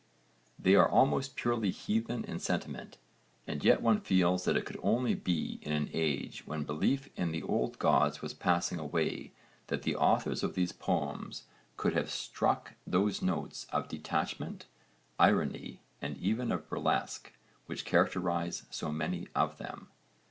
They are almost purely heathen in sentiment, and yet one feels that it could only be in an age when belief in the old gods was passing away that the authors of these poems could have struck those notes of detachment, irony, and even of burlesque, which characterise so many of them.